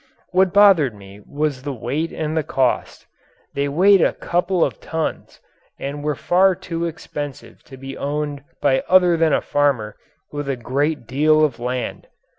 What bothered me was the weight and the cost. They weighed a couple of tons and were far too expensive to be owned by other than a farmer with a great deal of land.